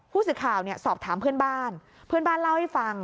ผู้สื่อข่าวเนี่ยสอบถามเพื่อนบ้านเพื่อนบ้านเล่าให้ฟัง